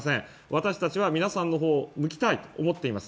私たちは皆さんの方を向きたいと思っています。